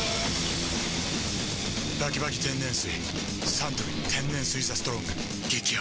サントリー天然水「ＴＨＥＳＴＲＯＮＧ」激泡